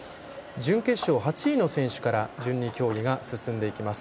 準決勝８位の選手から順に競技が進んでいきます。